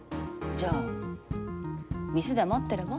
じゃあ店で待ってれば？